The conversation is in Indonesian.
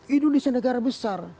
indonesia negara besar